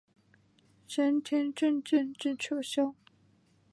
咸田镇建制撤销。